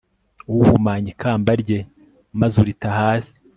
uhumanya ikamba rye maze urita hasi